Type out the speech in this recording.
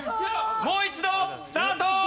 もう一度スタート！